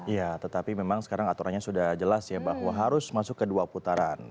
ya tetapi memang sekarang aturannya sudah jelas ya bahwa harus masuk ke dua putaran